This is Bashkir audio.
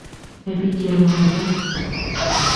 Ә бит йырлағанда...